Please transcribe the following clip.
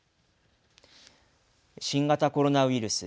新型コロナウイルス。